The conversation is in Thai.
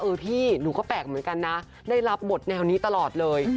พี่หนูก็แปลกเหมือนกันนะได้รับบทแนวนี้ตลอดเลย